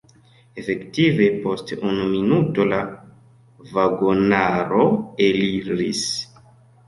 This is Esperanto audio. Efektive post unu minuto la vagonaro eliris.